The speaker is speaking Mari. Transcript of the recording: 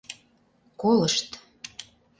Колышт.